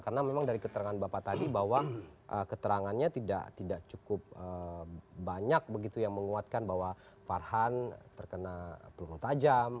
karena memang dari keterangan bapak tadi bahwa keterangannya tidak cukup banyak begitu yang menguatkan bahwa farhan terkena peluru tajam